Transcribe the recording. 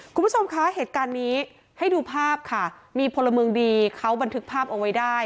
คุณผู้ชมคะเหตุการณ์นี้ให้ดูภาพค่ะมีพลเมืองดีเขาบันทึกภาพเอาไว้ได้